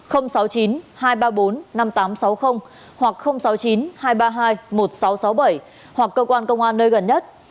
hoặc sáu mươi chín hai trăm ba mươi hai một nghìn sáu trăm sáu mươi bảy hoặc cơ quan công an nơi gần nhất